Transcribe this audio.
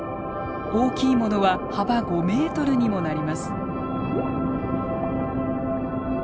大きいものは幅５ｍにもなります。